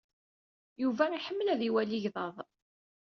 Yuba iḥemmel ad iwali igḍaḍ.